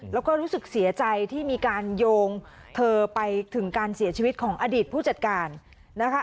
แล้วก็รู้สึกเสียใจที่มีการโยงเธอไปถึงการเสียชีวิตของอดีตผู้จัดการนะคะ